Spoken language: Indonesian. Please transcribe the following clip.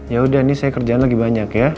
yaudah ini saya kerjaan lagi banyak ya